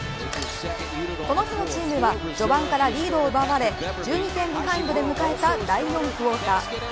この日のチームは序盤からリードを奪われ１２点ビハインドで迎えた第４クオーター。